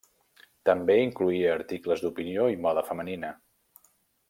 També incloïa articles d'opinió i moda femenina.